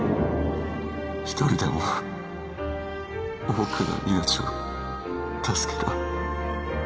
一人でも多くの命を助けろ